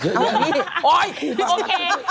เลิกกันตลอดเยอะโอ๊ยอ๊อโอเคเอานี่